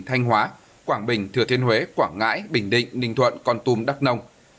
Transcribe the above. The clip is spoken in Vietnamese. thanh hóa quảng bình thừa thiên huế quảng ngãi bình định ninh thuận con tum đắk nông